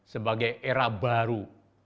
sebagai era baru